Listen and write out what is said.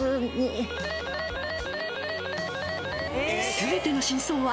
全ての真相は